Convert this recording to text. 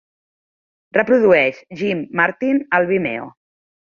Reprodueix Jim Martin al Vimeo.